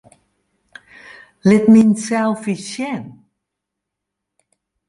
Lit myn selfies sjen.